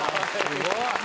・すごい。